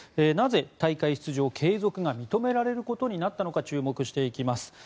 なぜ大会出場継続が認められることになったのか注目していきます。